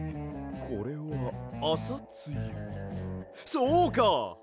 そうか！